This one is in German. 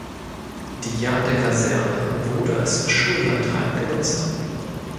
Die Jade-Kaserne wurde als Schullandheim genutzt.